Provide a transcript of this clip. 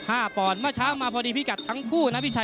เพื่อนมาเฉ้ามาพอดีพี่กัดทั้งคู่นะพี่ชัย